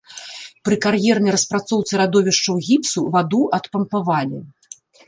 Пры кар'ернай распрацоўцы радовішчаў гіпсу ваду адпампавалі.